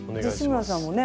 志村さんもね